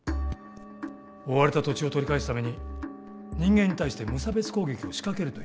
追われた土地を取り返すために人間に対して無差別攻撃を仕掛けるという。